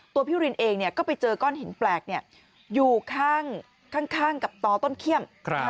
พี่รินเองก็ไปเจอก้อนหินแปลกอยู่ข้างกับต่อต้นเขี้ยม